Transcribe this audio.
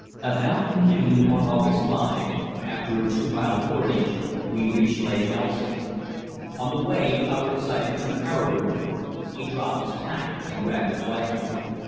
About noon on August 5, after a two mile portage, we reached Lake Elson. On the way Hubbard sighted two caribou. He dropped his pack and grabbed his rifle.